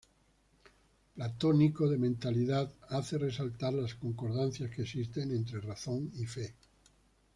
Platónico de mentalidad, hace resaltar las concordancias que existen entre razón y fe.